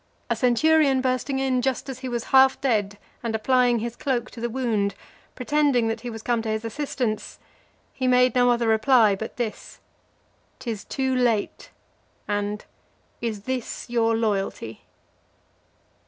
A centurion bursting in just as he was half dead, and applying his cloak to the wound, pretending that he was come to his assistance, he made no other reply but this, "'Tis too late;" and "Is this your loyalty?"